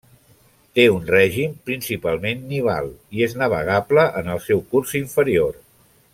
Té un règim principalment nival i és navegable en el seu curs inferior.